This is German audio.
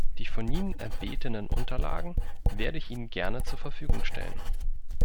Die von Ihnen erbetenen Unterlagen werde ich Ihnen gerne zur Verfügung stellen.